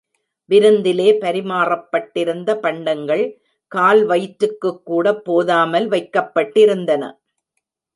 விருந்திலே பரிமாறப் பட்டிருந்த பண்டங்கள் கால் வயிற்றுக்குக் கூடப் போதாமல் வைக்கப்பட்டிருந்தன.